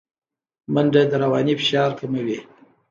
منډه د رواني فشار کموي